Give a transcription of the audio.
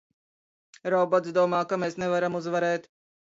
Robots domā, ka mēs nevaram uzvarēt!